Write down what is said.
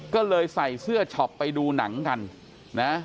ก็เลยใส่เสื้อช็อปไปดูหนังกันนะ